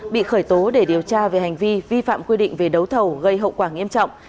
bị khởi tố để điều tra về hành vi vi phạm quy định về đấu thầu gây hậu quả nghiêm trọng